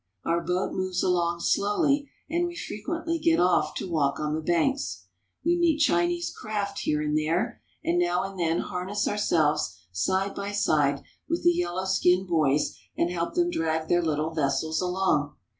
Our boat moves along slowly, and we frequently get off to walk on the banks. We meet Chinese craft here and there, and now and then harness ourselves side by side with the yellow skinned boys and help them drag their little vessels along.